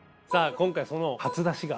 今回その初出しが。